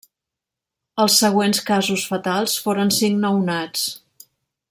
Els següents casos fatals foren cinc nounats.